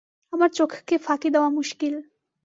আমার চোখকে ফাঁকি দেওয়া মুশকিল।